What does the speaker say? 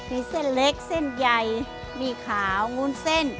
มีเส้นเล็กเส้นใหญ่มีขาวงุ้นเส้น